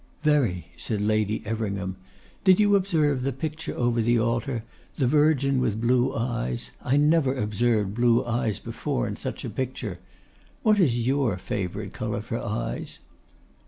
'Very!' said Lady Everingham. 'Did you observe the picture over the altar, the Virgin with blue eyes? I never observed blue eyes before in such a picture. What is your favourite colour for eyes?